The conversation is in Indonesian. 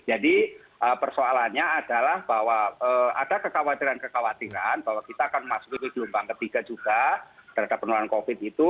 jadi persoalannya adalah bahwa ada kekhawatiran kekhawatiran bahwa kita akan masuk ke video umpang ketiga juga terhadap penularan covid itu